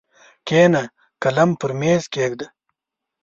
کښېنه قلم پر مېز کښېږده!